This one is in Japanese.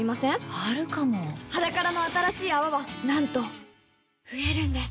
あるかも「ｈａｄａｋａｒａ」の新しい泡はなんと増えるんです